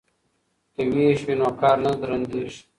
که ویش وي نو کار نه درندیږي.